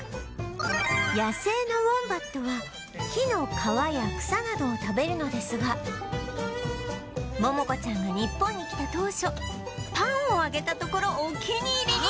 野生のウォンバットは木の皮や草などを食べるのですがモモコちゃんが日本に来た当初パンをあげたところお気に入りに！